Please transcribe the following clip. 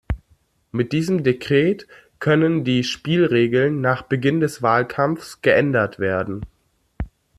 Mit diesem Dekret können die Spielregeln nach Beginn des Wahlkampfs geändert werden.